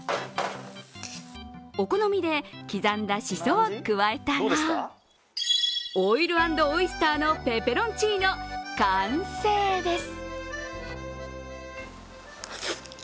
お好みで刻んだシソを加えたら、花瑠＆花星のペペロンチーノ、完成です。